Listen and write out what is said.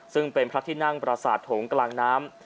ซึ่งเป็นพระที่นั่งประสาทหงกลางน้ำ